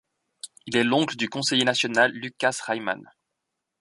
Il est l'oncle du conseiller national Lukas Reimann.